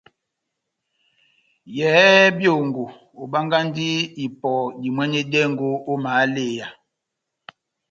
Yɛhɛ byongo, obangahi ipɔ dimwanedɛngo ó mahaleya.